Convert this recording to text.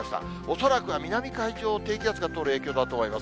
恐らくは南海上を低気圧が通る影響だと思います。